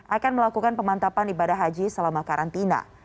akan melakukan pemantapan ibadah haji selama karantina